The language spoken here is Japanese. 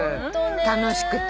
楽しくて。